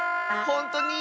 ほんとに。